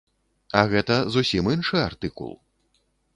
А гэта зусім іншы артыкул.